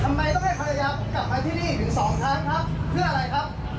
ทำไมต้องให้ภรรยาผมกลับไปที่นี่ถึงสองครั้งครับเพื่ออะไรครับ